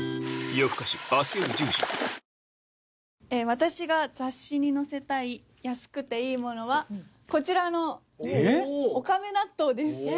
私が雑誌に載せたい安くていいモノはこちらのおかめ納豆です。